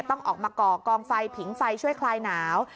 ต้องออกมาก่อกองไฟผิงไฟช่วยคลายหนาว